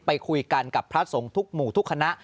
ไปคุยกันกับพระสงฆ์ทุกหมู่ทุกคณะ